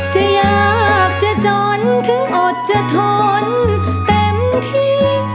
จะยากจะจนถึงอดจะทนเต็มที่